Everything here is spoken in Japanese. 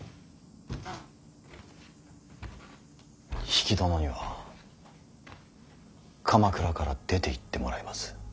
比企殿には鎌倉から出ていってもらいます。